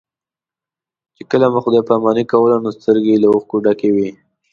چې کله مو خدای پاماني کوله نو سترګې یې له اوښکو ډکې وې.